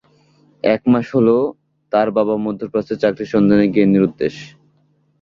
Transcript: এক মাস হলো তার বাবা মধ্যপ্রাচ্যে চাকরির সন্ধানে গিয়ে নিরুদ্দেশ।